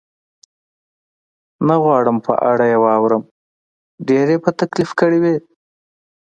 نه غواړم په اړه یې واورم، ډېر یې په تکلیف کړی وې؟